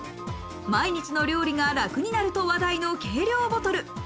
毎日の料理が楽になると話題の計量ボトル。